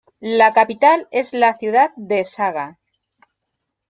La capital es la ciudad de Saga.